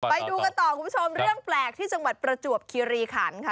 ไปดูกันต่อคุณผู้ชมเรื่องแปลกที่จังหวัดประจวบคิริขันค่ะ